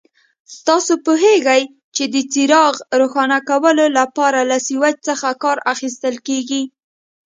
تاسو پوهیږئ چې د څراغ روښانه کولو لپاره له سوېچ څخه کار اخیستل کېږي.